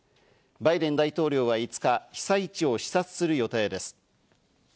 バイデン大統領は５日、被災地を視察する予定です。